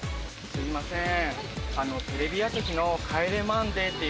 すいません。